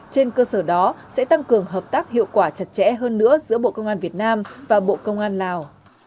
trên cơ sở đó sẽ tăng cường hợp tác hiệu quả chặt chẽ hơn nữa giữa bộ công an việt nam và bộ công an lào